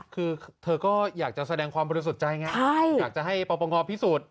คือเธอก็อยากจะแสดงความบริสุทธิ์ใจไงอยากจะให้ปปงพิสูจน์